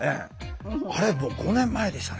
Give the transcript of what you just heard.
あれもう５年前でしたね。